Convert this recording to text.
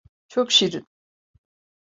Çok şirin.